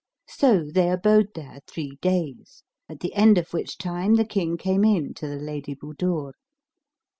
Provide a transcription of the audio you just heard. So they abode there three days; at the end of which time the King came in to the Lady Budur.